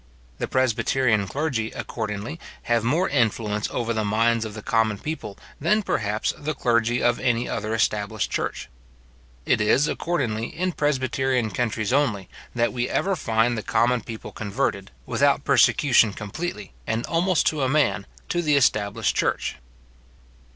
The presbyterian clergy, accordingly, have more influence over the minds of the common people, than perhaps the clergy of any other established church. It is, accordingly, in presbyterian countries only, that we ever find the common people converted, without persecution completely, and almost to a man, to the established church.